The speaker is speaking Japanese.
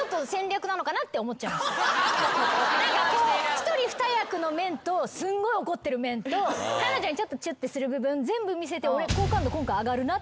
１人２役の面とすんごい怒ってる面と彼女にちょっとチュってする部分全部見せて俺。